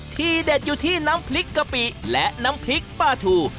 ที่เด็ดอยู่ที่น้ำพริกกะปิและน้ำพริกปลาทู